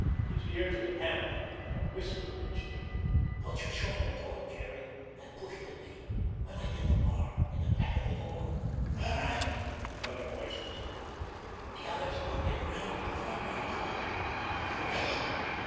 His ear to the panel, a whisper reached him: "Put your shoulder to it, Jerry, and push with me, when I get the bar in the crack of the door." "All right," another voice whispered. "The others will have been around at the front long ago. Are you ready?"